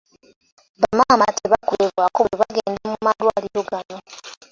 Bamaama tebakolebwako bwe bagenda mu malwaliro gano.